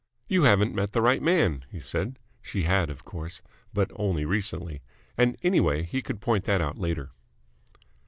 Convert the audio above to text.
"You haven't met the right man," he said. She had, of course, but only recently: and, anyway, he could point that out later.